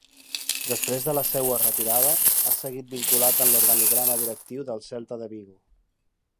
Després de la seua retirada, ha seguit vinculat en l'organigrama directiu del Celta de Vigo.